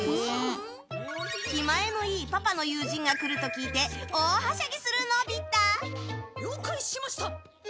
気前のいいパパの友人が来ると聞いて大はしゃぎする、のび太。